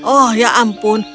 oh ya ampun